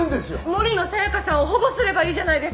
森野さやかさんを保護すればいいじゃないですか！